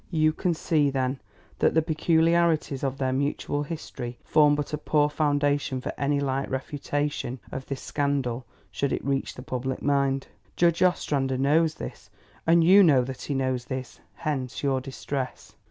You can see, then, that the peculiarities of their mutual history form but a poor foundation for any light refutation of this scandal, should it reach the public mind. Judge Ostrander knows this, and you know that he knows this; hence your distress.